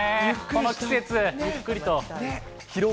この季節、ゆっくりと。